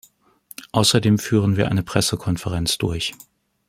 Außerdem führen wir eine Pressekonferenz durch.